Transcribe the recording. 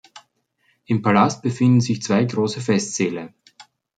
Im Palast befinden sich zwei große Festsäle.